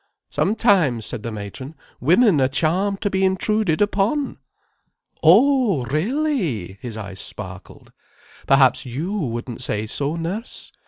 "Sometimes," said the matron, "women are charmed to be intruded upon." "Oh really!" his eyes sparkled. "Perhaps you wouldn't say so, nurse?"